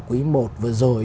quý một vừa rồi